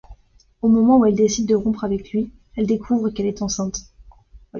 Au moment où elle décide de rompre avec lui, elle découvre qu'elle est enceinte.